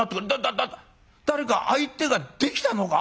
だ誰か相手ができたのか？